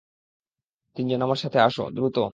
তিনজন আমার সাথে আসো, দ্রুত!